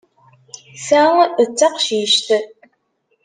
Ta d taqcict.